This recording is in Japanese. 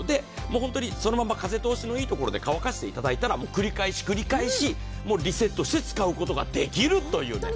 そのまま風通しのいい所で乾かしていただいたら、繰り返し繰り返しリセットして使うことができる。